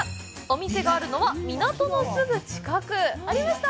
お店があるのは、港のすぐ近く。